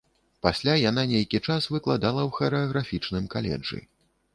Пасля яна нейкі час выкладала ў харэаграфічным каледжы.